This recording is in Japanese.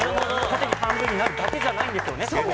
縦に半分だけじゃないんですよね。